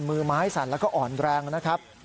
มือไม้สั่นแล้วก็อ่อนแรงนะครับ